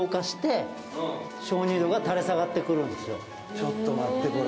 ちょっと待ってこれ。